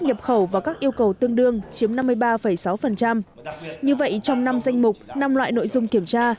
nhập khẩu vào các yêu cầu tương đương chiếm năm mươi ba sáu như vậy trong năm danh mục năm loại nội dung kiểm tra